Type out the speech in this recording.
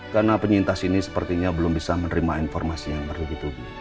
karena penyintas ini sepertinya belum bisa menerima informasi yang berdiri diri